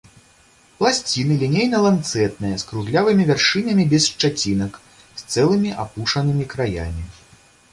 Пласціны лінейна-ланцэтныя, з круглявымі вяршынямі без шчацінак, з цэлымі апушанымі краямі.